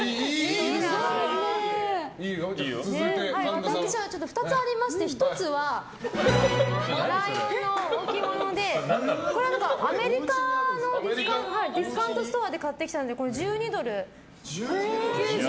私は、２つありまして１つはライオンの置物でこれ、アメリカのディスカウントストアで買ってきたので、１２ドル９９。